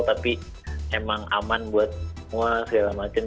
tapi emang aman buat semua segala macam